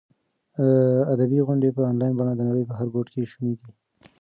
ادبي غونډې په انلاین بڼه د نړۍ په هر ګوټ کې شونې دي.